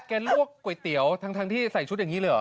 ลวกก๋วยเตี๋ยวทั้งที่ใส่ชุดอย่างนี้เลยเหรอ